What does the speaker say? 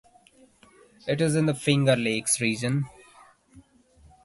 It is in the Finger Lakes Region.